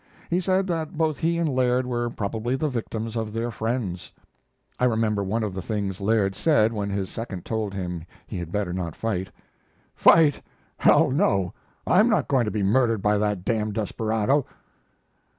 He said that both he and Laird were probably the victims of their friends. I remember one of the things Laird said when his second told him he had better not fight. "Fight! H l, no! I am not going to be murdered by that d d desperado."